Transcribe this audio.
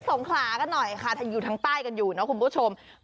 งขลากันหน่อยค่ะอยู่ทางใต้กันอยู่นะคุณผู้ชม